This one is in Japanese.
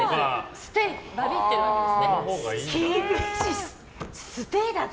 ステイ！ってやるわけです。